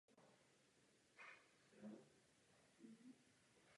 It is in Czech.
Nadace podporuje a pomáhá objevovat nové francouzské i zahraniční umělce.